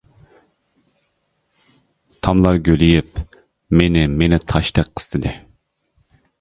تاملار گۆلىيىپ، مېنى مېنى تاشتەك قىستىدى.